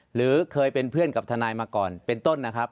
หรือเคยเป็นเพื่อนกับทนายมาก่อนเป็นต้นนะครับ